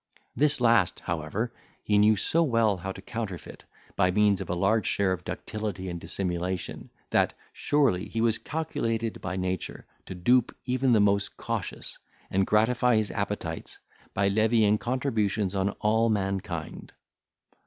This last, however, he knew so well how to counterfeit, by means of a large share of ductility and dissimulation, that, surely, he was calculated by nature to dupe even the most cautious, and gratify his appetites, by levying contributions on all mankind.